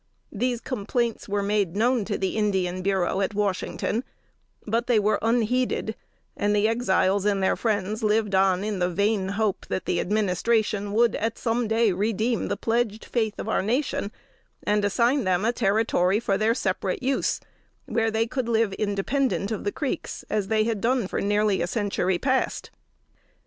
These complaints were made known to the Indian Bureau, at Washington; but they were unheeded, and the Exiles and their friends lived on in the vain hope that the Administration would at some day redeem the pledged faith of the nation, and assign them a territory for their separate use, where they could live independent of the Creeks, as they had done for nearly a century past.